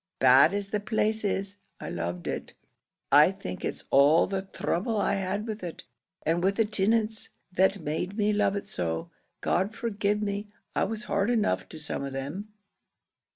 Bad as the place is, I loved it. I think it's all the throuble I had with it, and with the tinants, that made me love it so. God forgive me I was hard enough to some of them!"